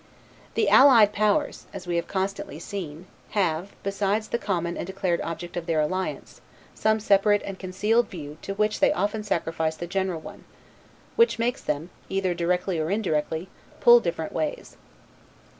The Allied Powers (as we have constantly seen) have, besides the common and declared object of their alliance, some separate and concealed view to which they often sacrifice the general one; which makes them, either directly or indirectly, pull different ways.